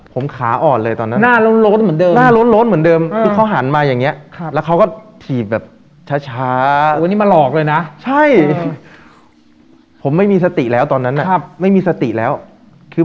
ผมขาอ่อนเลยตอนนั้นหน้าล้นลดเหมือนเดิมหน้าล้นลดเหมือนเดิมอืม